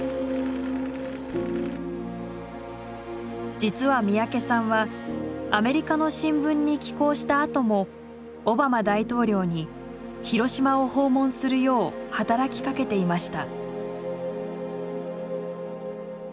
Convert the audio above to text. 実は三宅さんはアメリカの新聞に寄稿したあともオバマ大統領に広島を訪問するよう働きかけていました。